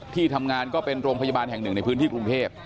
ที่ทำงานก็เป็นโรงพยาบาลแห่งหนึ่งในพื้นที่กรุงเทพ